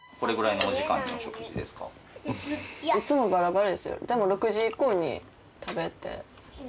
いつもバラバラですよでも６時以降に食べて。